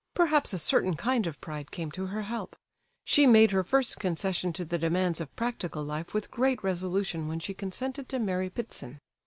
Perhaps a certain kind of pride came to her help. She made her first concession to the demands of practical life with great resolution when she consented to marry Ptitsin.